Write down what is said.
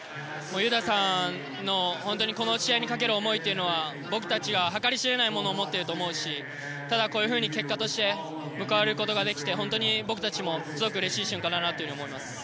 雄太さんの試合にかける思いというのは僕たちには計り知れないものを持っていると思うしただ、こういうふうに結果として報われることができて本当に僕たちもすごくうれしい瞬間だなと思います。